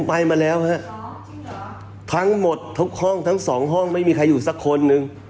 ไปมาแล้วฮะทั้งหมดทุกห้องทั้งสองห้องไม่มีใครอยู่สักคนหนึ่ง